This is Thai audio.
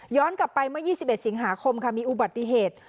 ย้อนกลับไปเมื่อยี่สิบเอ็ดสิงหาคมค่ะมีอุบัติเหตุ